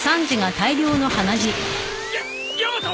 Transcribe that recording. ヤヤマト！